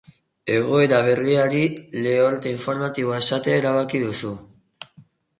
Egoera berriari lehorte informatiboa esatea erabaki duzu.